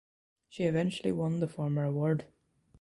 She eventually won the former award.